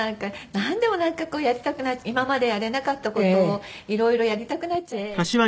なんでもなんかやりたく今までやれなかった事を色々やりたくなっちゃって。